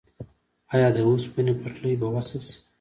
آیا د اوسپنې پټلۍ به وصل شي؟